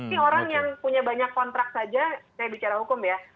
ini orang yang punya banyak kontrak saja saya bicara hukum ya